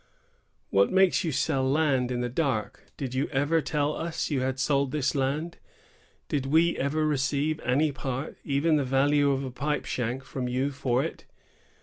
What makes you sell land in the dark? Did you ever tell us you had sold this land? Did we ever receive any part, even the value of a pipe shank, from you for it?